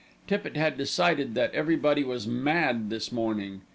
Tippitt had decided that everybody was mad this morning.